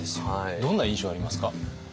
どんな印象ありますか？